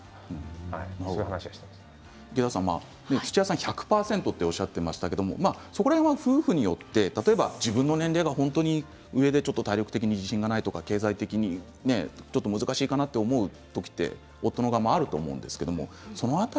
土屋さんは１００％とおっしゃっていましたが夫婦によって自分の年齢が上で体力的に自信がないとか経済的に難しいかなと思う時って夫側もあると思うんですね。